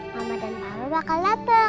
mama dan papa bakal dateng